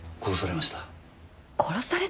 殺された！？